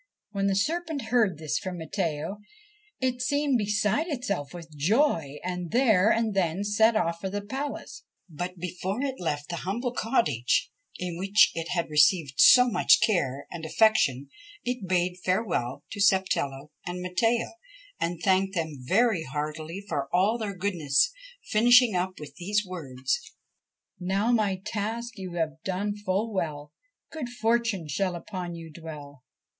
When the serpent heard this from Matteo, it seemed beside itself with joy, and there and then set off for the palace. But before it left the humble cottage in which it had received so much care and affec tion, it bade farewell to Sapatella and Matteo, and thanked them very heartily for all their goodness, finishing up with these words :' Now my task you have done full well, Good fortune shall upon you dwell.